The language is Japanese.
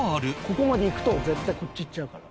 ここまでいくと絶対こっちいっちゃうから。